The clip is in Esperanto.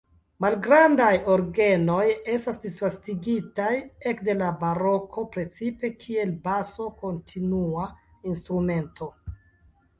Malgrandaj orgenoj estas disvastigitaj ekde la baroko precipe kiel baso-kontinua-instrumento.